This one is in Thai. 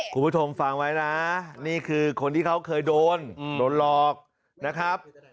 คุณผู้ชมฟังไว้นะนี่คือคนที่เขาเคยโดนโดนหลอกนะครับ